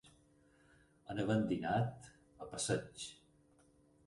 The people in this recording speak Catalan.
En havent dinat, a passeig